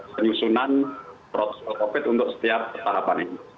penyusunan protokol covid sembilan belas untuk setiap tahapan ini